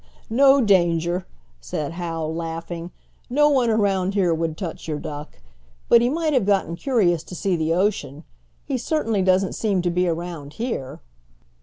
"No danger," said Hal, laughing. "No one around here would touch your duck. But he might have gotten curious to see the ocean. He certainly doesn't seem to be around here."